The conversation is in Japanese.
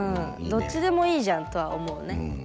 どっちでもいいじゃんとは思うね。